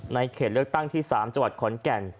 เขตเลือกตั้งที่๓จังหวัดขอนแก่น